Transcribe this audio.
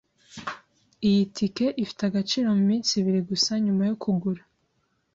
Iyi tike ifite agaciro muminsi ibiri gusa nyuma yo kugura.